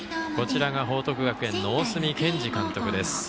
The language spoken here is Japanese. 報徳学園の大角健二監督です。